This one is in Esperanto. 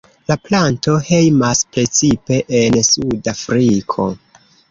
La planto hejmas precipe en suda Afriko.